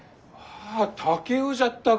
あ竹雄じゃったか！